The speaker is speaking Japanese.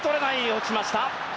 落ちました。